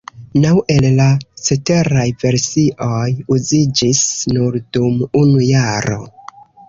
Naŭ el la ceteraj versioj uziĝis nur dum unu jaro.